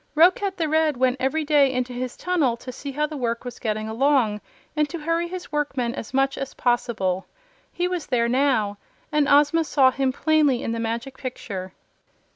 Roquat the Red went every day into his tunnel to see how the work was getting along and to hurry his workmen as much as possible. He was there now, and Ozma saw him plainly in the Magic Picture.